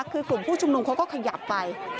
คือกลุ่มผู้ชุมนุมเขาก็ขยับไป